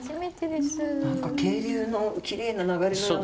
何か渓流のきれいな流れのような。